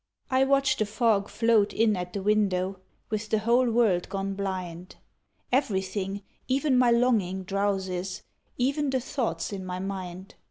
I watch the fog float in at the window With the whole world gone blind, Everything, even my longing, drowses, Even the thoughts in my mind.